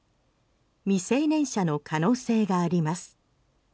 未成年者の可能性があります。